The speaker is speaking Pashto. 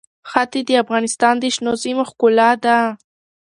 ښتې د افغانستان د شنو سیمو ښکلا ده.